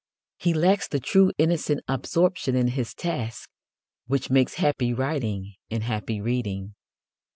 He lacks the true innocent absorption in his task which makes happy writing and happy reading.